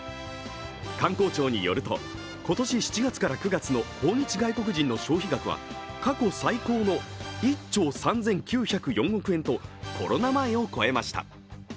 観光庁によると、今年７月から９月の訪日外国人の消費額は過去最高の１兆３９０４億円とコロナ前を超えました。